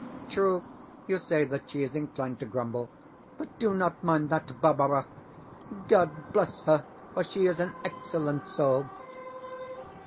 True, you say that she is inclined to grumble, but do not mind that, Barbara. God bless her, for she is an excellent soul!